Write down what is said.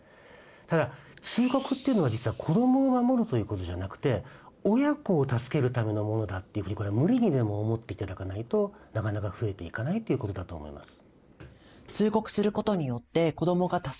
ただ通告っていうのは実は子どもを守るということじゃなくて親子を助けるためのものだっていうふうに無理にでも思っていただかないとなかなか増えていかないということだと思います。